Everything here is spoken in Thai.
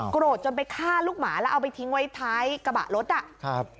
โกรธจนไปฆ่าลูกหมาแล้วเอาไปทิ้งไว้ท้ายกระบะรถอ่ะครับ